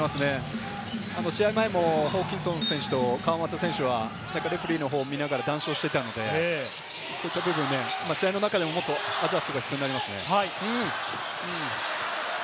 試合前もホーキンソン選手と川真田選手はレフェリーの方を見ながら談笑してたので、試合の中ではもっとアジャストが必要になりますね。